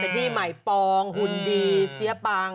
เป็นที่ใหม่ปองหุ่นดีเซียปัง